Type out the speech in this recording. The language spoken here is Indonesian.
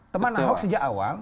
teman ahok sejak awal